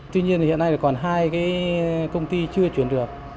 tuy nhiên thì hiện nay là còn hai cái công ty chưa chuyển được